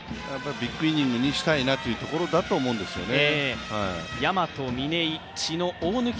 ビッグイニングにしたいなというところだと思うんですよね。